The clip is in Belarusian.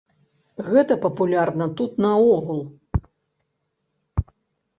Гэта папулярна тут наогул.